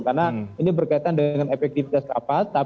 karena ini berkaitan dengan efektivitas rapat